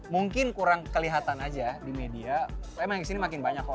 mungkin kurang kelihatan aja di media emang yang di sini makin banyak kok